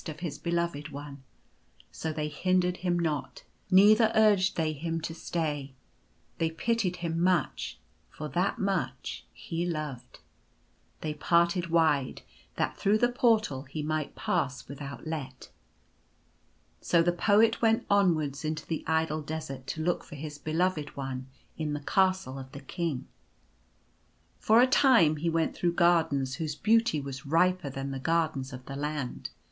of his Beloved One ; so they hindered him not, neither urged they him to stay. They pitied him much for that much he loved. They parted wide, that through the Portal he might pass without let. So, the Poet went onwards into the idle desert to look for his Beloved One in the Castle of the King. For a time he went through gardens whose beauty was riper than the gardens of the Land.